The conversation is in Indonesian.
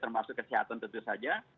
termasuk kesehatan tentu saja